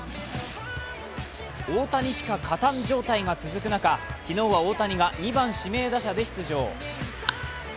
大谷しか勝たん状態が続く中、昨日は大谷が２番・指名打者で出場。